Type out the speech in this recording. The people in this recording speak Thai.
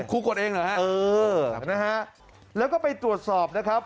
กดเองเหรอฮะเออนะฮะแล้วก็ไปตรวจสอบนะครับ